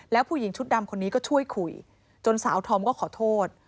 แล้วผู้หญิงชุดดำคนนี้ก็ช่วยคุยจนสาวธอมก็ขอโทษ